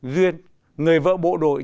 duyên người vợ bộ đội